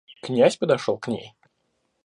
Князь подошёл к ней.